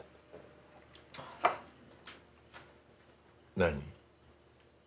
何？